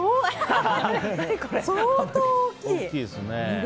相当大きい。